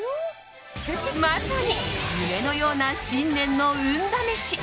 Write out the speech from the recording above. まさに夢のような新年の運試し